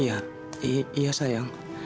ah serius sih tu